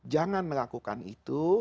jangan melakukan itu